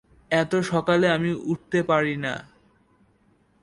এতো সকালে আমি উঠতে পারি না।